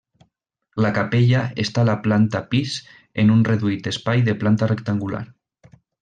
La capella està a la planta pis en un reduït espai de planta rectangular.